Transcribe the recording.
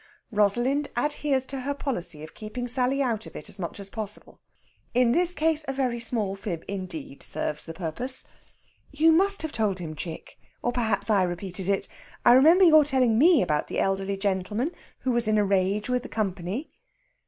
Rosalind adheres to her policy of keeping Sally out of it as much as possible. In this case a very small fib indeed serves the purpose: "You must have told him, chick; or perhaps I repeated it. I remember your telling me about the elderly gentleman who was in a rage with the Company."